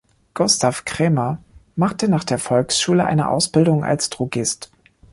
Gustav Krämer machte nach der Volksschule eine Ausbildung als Drogist.